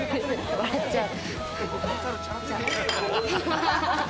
笑っちゃう。